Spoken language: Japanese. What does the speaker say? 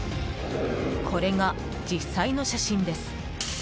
これが実際の写真です。